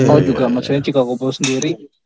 oh juga maksudnya chicago bulls sendiri